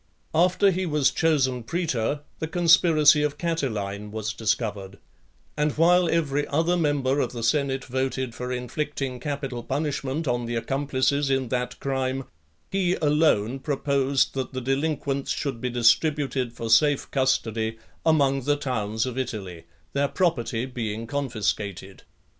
XIV. After he was chosen praetor, the conspiracy of Catiline was discovered; and while every other member of the senate voted for inflicting capital punishment on the accomplices in that crime , he alone proposed that the delinquents should be distributed for safe custody among the towns of Italy, their property being confiscated.